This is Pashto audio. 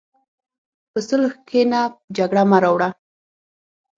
په صلح کښېنه، جګړه مه راوړه.